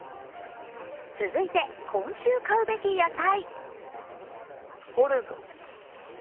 続いて、今週買うべき野菜。